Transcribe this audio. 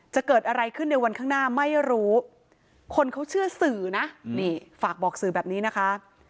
จะเกิดอะไรขึ้นในวันข้างหน้าไม่รู้คนเขาเชื่อสื่อนะนี่ฝากบอกสื่อแบบนี้นะคะ